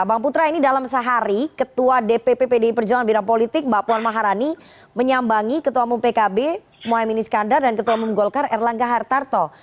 bang putra ini dalam sehari ketua dpp pdi perjuangan bidang politik mbak puan maharani menyambangi ketua umum pkb mohaimin iskandar dan ketua umum golkar erlangga hartarto